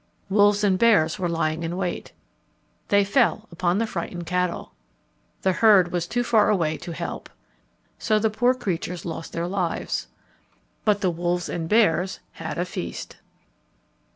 Wolves and bears were lying in wait. They fell upon the frightened cattle. The herd was too far away to help. So the poor creatures lost their lives. But the wolves and bears had a feast.